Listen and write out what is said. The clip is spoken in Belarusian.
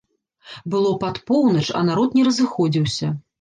Было пад поўнач, а народ не разыходзіўся.